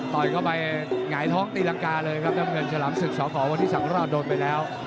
ต่อยเข้าไปหงายท้องตีละกาเลยครับดำเงินฉลามศึกชอบขอวันนี้สังราวโดดไปแล้ว